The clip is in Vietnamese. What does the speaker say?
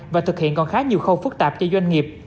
và thực hiện còn khá nhiều khâu phức tạp cho doanh nghiệp